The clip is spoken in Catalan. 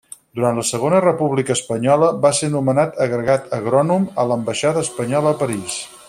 Durant la Segona República Espanyola va ser nomenat agregat agrònom a l'ambaixada espanyola a París.